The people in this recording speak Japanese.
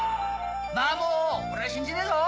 マモー俺は信じねえぞ！